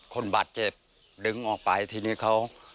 คนบาดเจ็บดึงออกไปทีนี้เขา